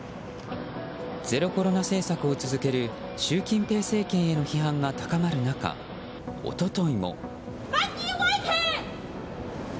ゼロコロナ政策を続ける習近平政権への批判が高まる中、一昨日も。